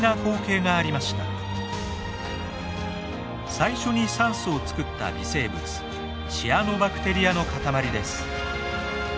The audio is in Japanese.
最初に酸素を作った微生物シアノバクテリアの塊です。